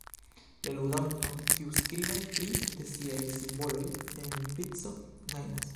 La ludanto, kiu skribas tri de siaj simboloj en vico, gajnas.